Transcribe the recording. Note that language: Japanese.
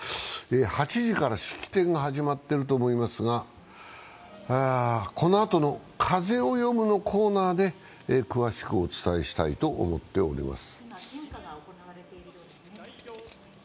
８時から式典が始まっていると思いますが、このあとの「風をよむ」のコーナーで詳しくお伝えしたいと思います。